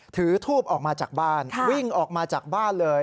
ถือทูบออกมาจากบ้านวิ่งออกมาจากบ้านเลย